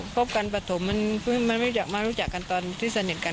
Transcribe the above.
พบกันปฐมมันไม่อยากมารู้จักกันตอนที่สนิทกัน